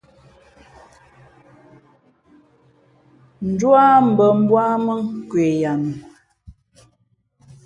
Ndū á mbᾱ mbú á mά nkwe ya nu.